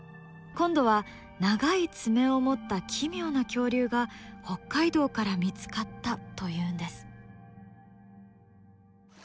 今度は長い爪を持った奇妙な恐竜が北海道から見つかったというんです。